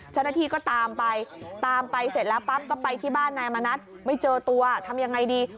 เจ้าหน้าที่ก็ตามไปตามไปเสร็จแล้วปั๊บก็ไปที่บ้านนายมณัฐไม่เจอตัวทำยังไงดี